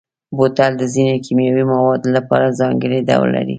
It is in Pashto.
بوتل د ځینو کیمیاوي موادو لپاره ځانګړی ډول لري.